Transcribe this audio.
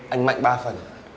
anh mạnh ba phần